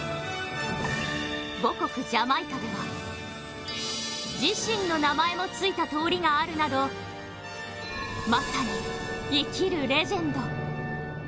母国ジャマイカでは、自身の名前が付いた通りがあるなどまさに生きるレジェンド。